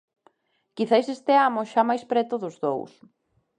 Quizais esteamos xa máis preto dos dous.